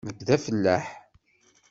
Nekk d afellaḥ.